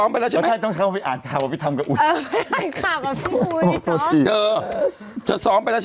ไปอ่านข่าวกับพี่อุยเนอะ